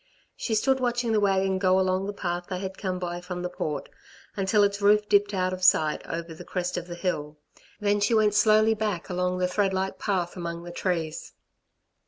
She stood watching the wagon go along the path they had come by from the Port, until its roof dipped out of sight over the crest of the hill; then she went slowly back along the threadlike path among the trees.